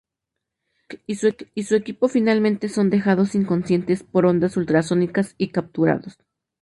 Kirk y su equipo finalmente son dejados inconscientes por ondas ultrasónicas y capturados.